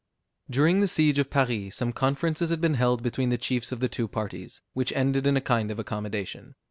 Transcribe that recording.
During the siege of Paris, some conferences had been held between the chiefs of the two parties, which ended in a kind of accommodation.